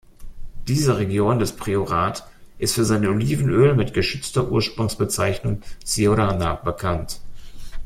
Diese Region des Priorat ist für sein Olivenöl mit geschützter Ursprungsbezeichnung "Siurana" bekannt.